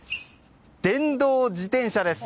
電動自転車です。